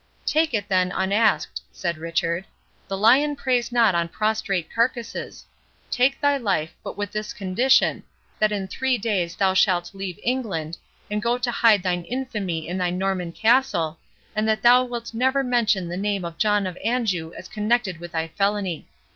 "Take it, then, unasked," said Richard; "the lion preys not on prostrate carcasses.—Take thy life, but with this condition, that in three days thou shalt leave England, and go to hide thine infamy in thy Norman castle, and that thou wilt never mention the name of John of Anjou as connected with thy felony.